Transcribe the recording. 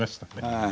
はい。